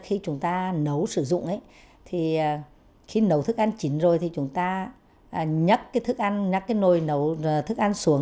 khi chúng ta nấu sử dụng ấy thì khi nấu thức ăn chín rồi thì chúng ta nhắc cái thức ăn nhắc cái nồi nấu thức ăn xuống